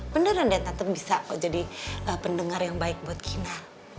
beneran dia tetap bisa kok jadi pendengar yang baik buat kina